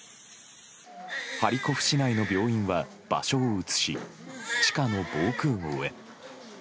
ハリコフ市内の病院は場所を移し地下の防空壕へ。